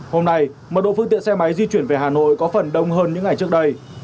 hôm nay mật độ phương tiện xe máy di chuyển về hà nội có phần đông hơn những ngày trước đây